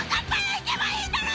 行けばいいんだろ